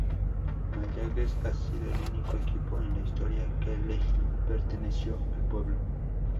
Mayagüez ha sido el único equipo en la historia que le perteneció al pueblo.